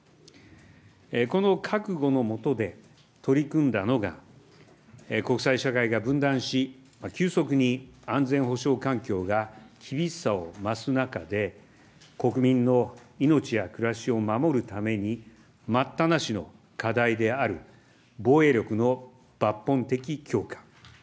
この覚悟の下で取り組んだのが、国際社会が分断し、急速に安全保障環境が厳しさを増す中で、国民の命や暮らしを守るために待ったなしの課題である防衛力の抜本的強化。